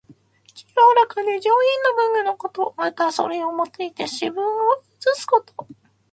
清らかで上品な文具のこと。また、それを用いて詩文を写すこと。